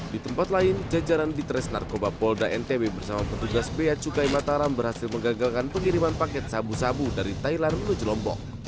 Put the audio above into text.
di tempat lain jajaran bitres narkoba polda ntb bersama petugas beacukai mataram berhasil mengganggalkan pengiriman paket sabu sabu dari thailand lujelombok